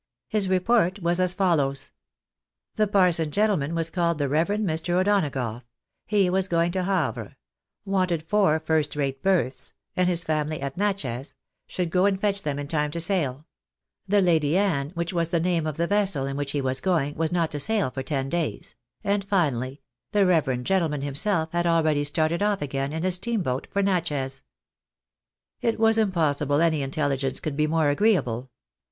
His report was as follows :— The parson gentleman was called the reverend Mr. O'Dona EGERTON ARRESTED IX HIS PROGRESS. gougli ; he was going to Havre ; wanted four first rate berths ; and his family at Natchez ; should go and fetch them in time to sail ; the " Lady Anne," which was the name of the vessel in which he was going, was not to sail for ten days; and finally, the reverend gentleman himself had already started off again in a steamboat for Natchez. It was impossible any intelligence could be more agreeable.